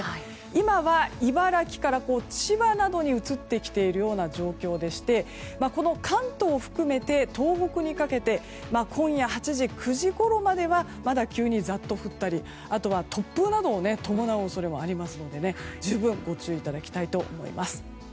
今は、茨城から千葉などに移ってきているような状況でしてこの関東を含めて、東北にかけて今夜８時、９時ごろまではまだ、急にザッと降ったりあとは突風などを伴う恐れもあるので十分ご注意いただきたいと思います。